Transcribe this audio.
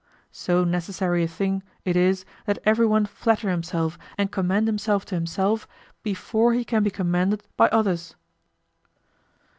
So necessary a thing it is that everyone flatter himself and commend himself to himself before he can be commended by others.